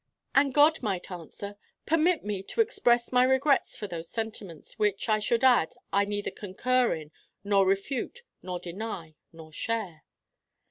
And God might answer: 'Permit me to express my regrets for those sentiments which, I should add, I neither concur in nor refute nor deny nor share.